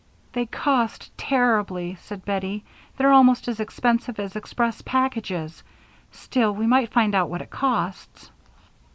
"They cost terribly," said Bettie. "They're almost as expensive as express packages. Still, we might find out what it costs."